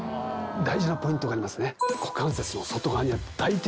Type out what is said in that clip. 大事なポイントがありますね。